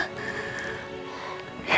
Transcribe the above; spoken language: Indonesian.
ya tadi papa lihat